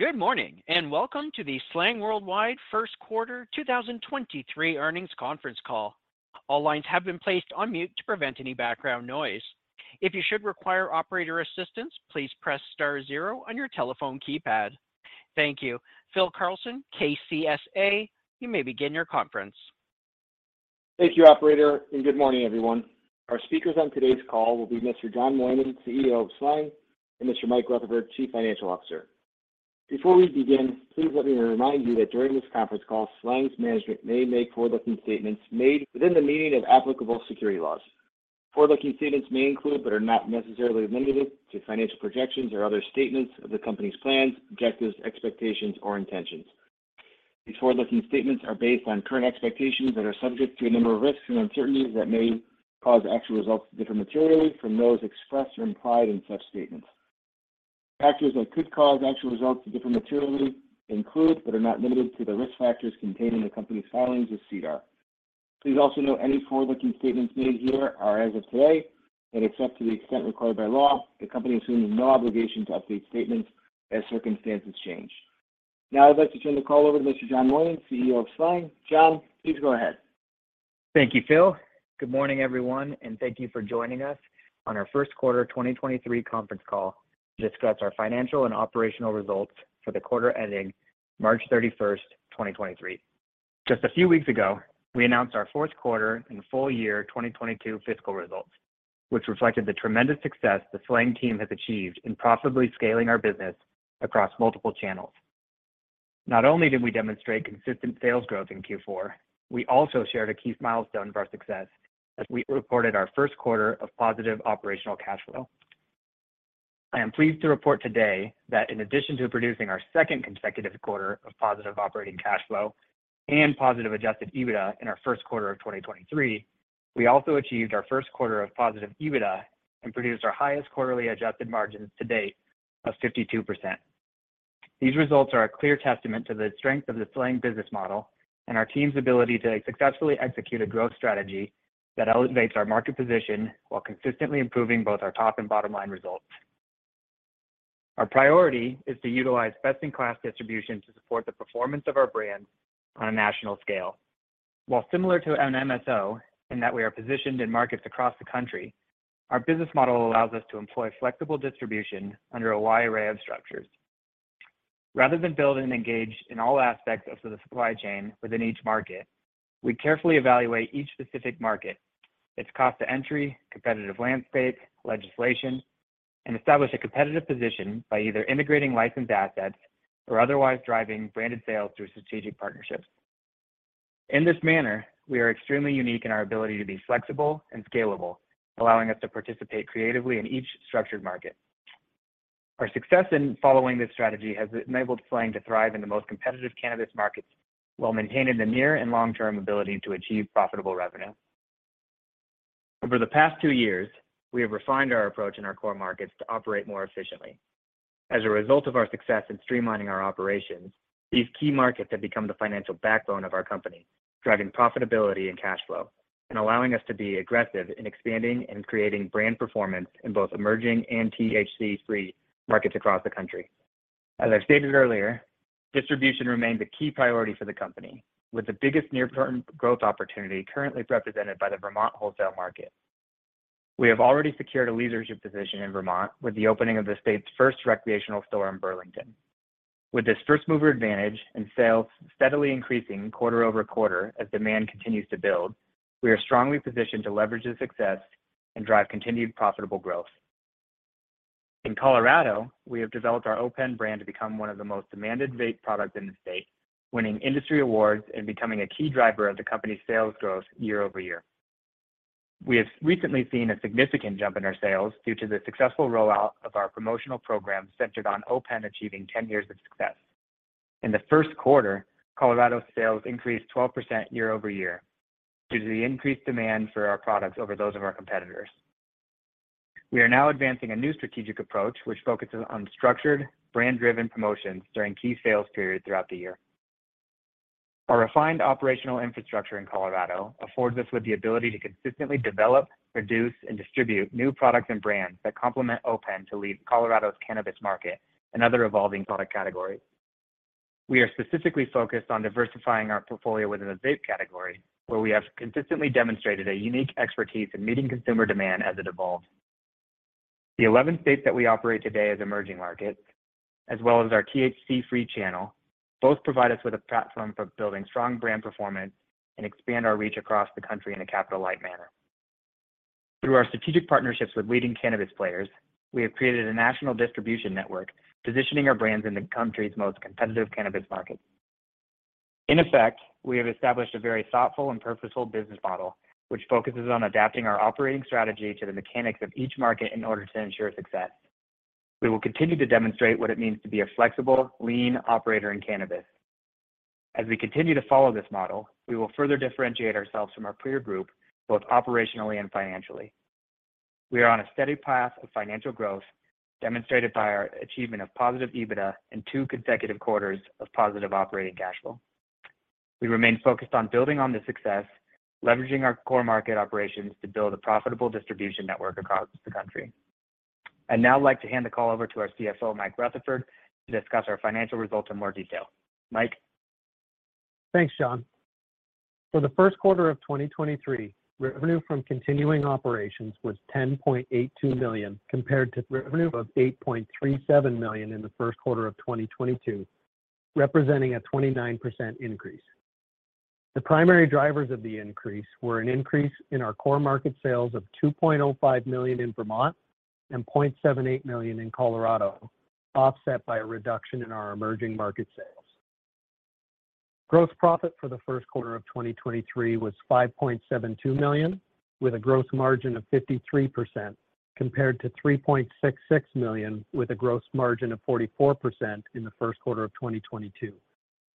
Good morning. Welcome to the SLANG Worldwide first quarter 2023 earnings conference call. All lines have been placed on mute to prevent any background noise. If you should require operator assistance, please press star zero on your telephone keypad. Thank you. Phil Carlson, KCSA, you may begin your conference. Thank you, operator. Good morning, everyone. Our speakers on today's call will be Mr. John Moynan, CEO of SLANG, and Mr. Mike Rutherford, Chief Financial Officer. Before we begin, please let me remind you that during this conference call, SLANG's management may make forward-looking statements made within the meaning of applicable security laws. Forward-looking statements may include, but are not necessarily limited to, financial projections or other statements of the company's plans, objectives, expectations, or intentions. These forward-looking statements are based on current expectations that are subject to a number of risks and uncertainties that may cause actual results to differ materially from those expressed or implied in such statements. Factors that could cause actual results to differ materially include, but are not limited to, the risk factors contained in the company's filings with SEDAR. Please also note any forward-looking statements made here are as of today, and except to the extent required by law, the company assumes no obligation to update statements as circumstances change. Now I'd like to turn the call over to Mr. John Moynan, CEO of SLANG. Jon, please go ahead. Thank you, Phil. Good morning, everyone, and thank you for joining us on our first quarter 2023 conference call to discuss our financial and operational results for the quarter ending March 31st, 2023. Just a few weeks ago, we announced our fourth quarter and full year 2022 fiscal results, which reflected the tremendous success the SLANG team has achieved in profitably scaling our business across multiple channels. Not only did we demonstrate consistent sales growth in Q4, we also shared a key milestone of our success as we reported our first quarter of positive operating cash flow. I am pleased to report today that in addition to producing our second consecutive quarter of positive operating cash flow and positive adjusted EBITDA in our first quarter of 2023, we also achieved our first quarter of positive EBITDA and produced our highest quarterly adjusted margins to date of 52%. These results are a clear testament to the strength of the SLANG business model and our team's ability to successfully execute a growth strategy that elevates our market position while consistently improving both our top and bottom line results. Our priority is to utilize best-in-class distribution to support the performance of our brands on a national scale. While similar to an MSO in that we are positioned in markets across the country, our business model allows us to employ flexible distribution under a wide array of structures. Rather than build and engage in all aspects of the supply chain within each market, we carefully evaluate each specific market, its cost to entry, competitive landscape, legislation, and establish a competitive position by either integrating licensed assets or otherwise driving branded sales through strategic partnerships. In this manner, we are extremely unique in our ability to be flexible and scalable, allowing us to participate creatively in each structured market. Our success in following this strategy has enabled SLANG to thrive in the most competitive cannabis markets while maintaining the near and long-term ability to achieve profitable revenue. Over the past two years, we have refined our approach in our core markets to operate more efficiently. As a result of our success in streamlining our operations, these key markets have become the financial backbone of our company, driving profitability and cash flow, and allowing us to be aggressive in expanding and creating brand performance in both emerging and THC-free markets across the country. As I stated earlier, distribution remained a key priority for the company, with the biggest near-term growth opportunity currently represented by the Vermont wholesale market. We have already secured a leadership position in Vermont with the opening of the state's first recreational store in Burlington. With this first-mover advantage and sales steadily increasing quarter-over-quarter as demand continues to build, we are strongly positioned to leverage this success and drive continued profitable growth. In Colorado, we have developed our O.pen brand to become one of the most demanded vape products in the state, winning industry awards and becoming a key driver of the company's sales growth year-over-year. We have recently seen a significant jump in our sales due to the successful rollout of our promotional program centered on O.pen achieving 10 years of success. In the first quarter, Colorado sales increased 12% year-over-year due to the increased demand for our products over those of our competitors. We are now advancing a new strategic approach, which focuses on structured, brand-driven promotions during key sales periods throughout the year. Our refined operational infrastructure in Colorado affords us with the ability to consistently develop, produce, and distribute new products and brands that complement O.pen to lead Colorado's cannabis market and other evolving product categories. We are specifically focused on diversifying our portfolio within the vape category, where we have consistently demonstrated a unique expertise in meeting consumer demand as it evolves. The 11 states that we operate today as emerging markets, as well as our THC-free channel, both provide us with a platform for building strong brand performance and expand our reach across the country in a capital-light manner. Through our strategic partnerships with leading cannabis players, we have created a national distribution network, positioning our brands in the country's most competitive cannabis markets. In effect, we have established a very thoughtful and purposeful business model, which focuses on adapting our operating strategy to the mechanics of each market in order to ensure success. We will continue to demonstrate what it means to be a flexible, lean operator in cannabis. As we continue to follow this model, we will further differentiate ourselves from our peer group, both operationally and financially. We are on a steady path of financial growth, demonstrated by our achievement of positive EBITDA in two consecutive quarters of positive operating cash flow. We remain focused on building on this success, leveraging our core market operations to build a profitable distribution network across the country. I'd now like to hand the call over to our CFO, Mike Rutherford, to discuss our financial results in more detail. Mike. Thanks, John. For the first quarter of 2023, revenue from continuing operations was $10.82 million, compared to revenue of $8.37 million in the first quarter of 2022, representing a 29% increase. The primary drivers of the increase were an increase in our core market sales of $2.05 million in Vermont and $0.78 million in Colorado, offset by a reduction in our emerging market sales. Gross profit for the first quarter of 2023 was $5.72 million, with a gross margin of 53%, compared to $3.66 million, with a gross margin of 44% in the first quarter of 2022,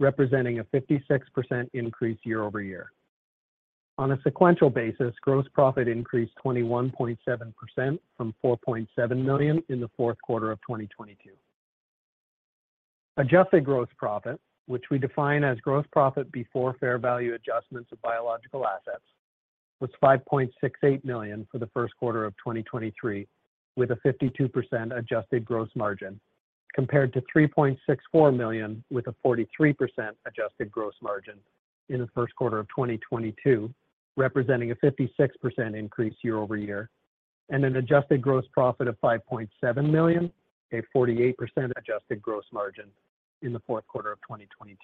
representing a 56% increase year-over-year. On a sequential basis, gross profit increased 21.7% from $4.7 million in the fourth quarter of 2022. adjusted gross profit, which we define as gross profit before fair value adjustments of biological assets, was $5.68 million for the first quarter of 2023, with a 52% adjusted gross margin, compared to $3.64 million with a 43% adjusted gross margin in the first quarter of 2022, representing a 56% increase year-over-year, and an adjusted gross profit of $5.7 million, a 48% adjusted gross margin in the fourth quarter of 2022.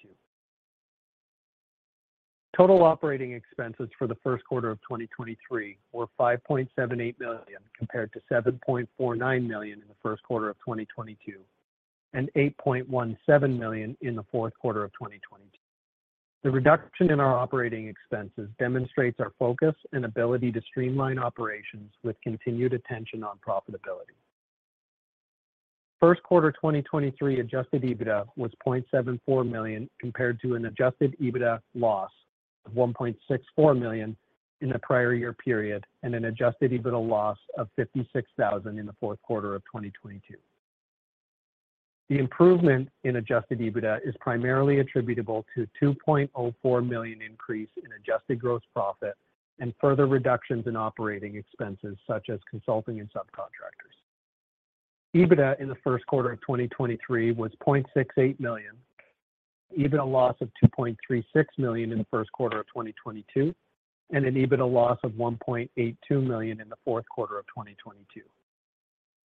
Total operating expenses for the first quarter of 2023 were $5.78 million, compared to $7.49 million in the first quarter of 2022, and $8.17 million in the fourth quarter of 2022. The reduction in our operating expenses demonstrates our focus and ability to streamline operations with continued attention on profitability. First quarter 2023 adjusted EBITDA was $0.74 million compared to an adjusted EBITDA loss of $1.64 million in the prior year period and an adjusted EBITDA loss of $56,000 in the fourth quarter of 2022. The improvement in adjusted EBITDA is primarily attributable to a $2.04 million increase in adjusted gross profit and further reductions in operating expenses, such as consulting and subcontractors. EBITDA in the first quarter of 2023 was $0.68 million, EBITDA loss of $2.36 million in the first quarter of 2022, and an EBITDA loss of $1.82 million in the fourth quarter of 2022.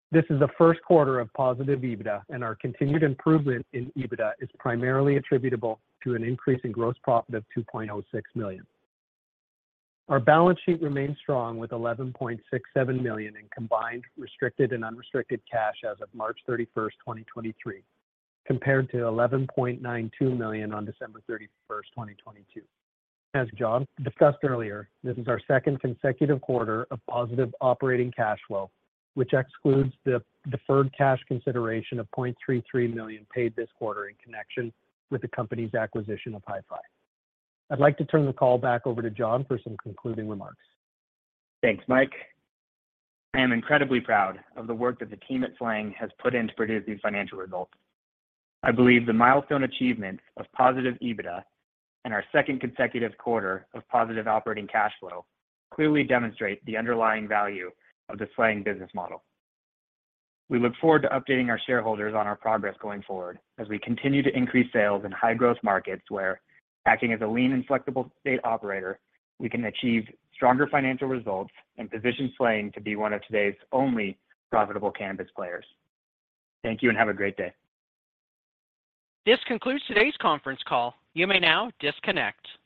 This is the first quarter of positive EBITDA, and our continued improvement in EBITDA is primarily attributable to an increase in gross profit of $2.06 million. Our balance sheet remains strong with $11.67 million in combined restricted and unrestricted cash as of March 31, 2023, compared to $11.92 million on December 31, 2022. As John discussed earlier, this is our second consecutive quarter of positive operating cash flow, which excludes the deferred cash consideration of $0.33 million paid this quarter in connection with the company's acquisition of Hi-Fi. I'd like to turn the call back over to John for some concluding remarks. Thanks, Mike. I am incredibly proud of the work that the team at SLANG has put in to produce these financial results. I believe the milestone achievement of positive EBITDA and our second consecutive quarter of positive operating cash flow clearly demonstrate the underlying value of the SLANG business model. We look forward to updating our shareholders on our progress going forward as we continue to increase sales in high-growth markets where, acting as a lean and flexible state operator, we can achieve stronger financial results and position SLANG to be one of today's only profitable cannabis players. Thank you and have a great day. This concludes today's conference call. You may now disconnect.